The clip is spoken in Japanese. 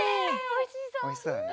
おいしそうだね。